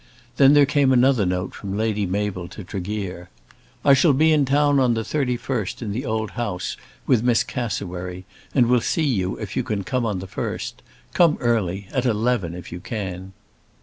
Then there came another note from Lady Mabel to Tregear. "I shall be in town on the 31st in the old house, with Miss Cassewary, and will see you if you can come on the 1st. Come early, at eleven, if you can."